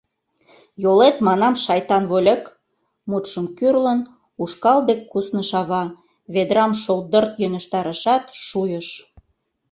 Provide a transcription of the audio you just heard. Йолет, манам, шайтан вольык! — мутшым кӱрлын, ушкал дек кусныш ава, ведрам шолдырт йӧнештарышат, шуйыш: